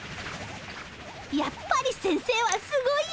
やっぱり先生はすごいや。